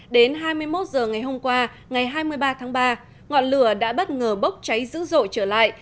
đến hai mươi một h ngày hôm qua ngày hai mươi ba tháng ba ngọn lửa đã bất ngờ bốc cháy dữ dội trở lại